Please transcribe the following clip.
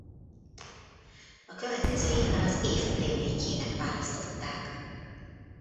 A következő évben az év Playmate-jének választották.